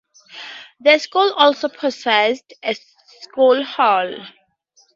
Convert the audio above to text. The school also possess a school hall.